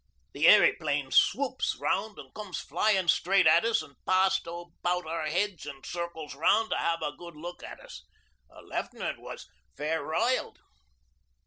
'The airyplane swoops round an' comes flyin' straight to us an' passed about our heads an' circles round to have a good look at us. The Left'nant was fair riled.